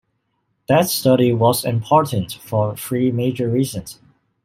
That study was important for three major reasons.